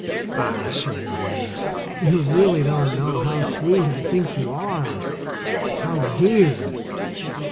Ah, Shirley dear, you really don't know how sweet I think you are, how dear!